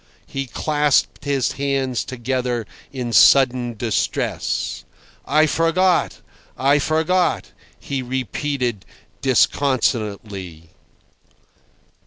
He clasped his hands together in sudden distress. "I forgot, I forgot," he repeated disconsolately.